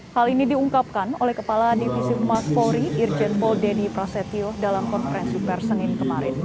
hal ini diungkapkan oleh kepala divisi pemak polri irjen paul dedy prasetyo dalam konferensi bersengin kemarin